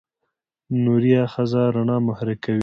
نوري آخذه رڼا محرک کوي.